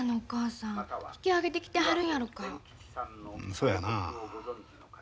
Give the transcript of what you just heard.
そやなあ。